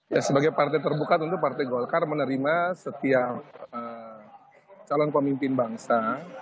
ya sebagai partai terbuka tentu partai golkar menerima setiap calon pemimpin bangsa